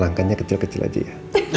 langkahnya kecil kecil aja ya